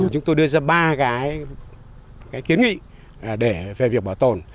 chúng tôi đưa ra ba cái kiến nghị về việc bảo tồn